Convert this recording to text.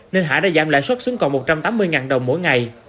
nên hải đã giảm lãi suất xuống còn một trăm tám mươi đồng mỗi ngày